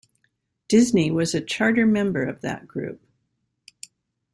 Disney was a charter member of that group.